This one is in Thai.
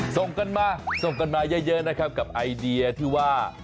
ส่งกันมาเยอะนะครับกับไอเดียที่ว่า